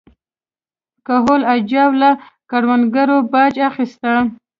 کهول اجاو له کروندګرو باج اخیسته.